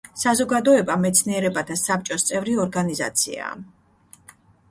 საზოგადოება მეცნიერებათა საბჭოს წევრი ორგანიზაციაა.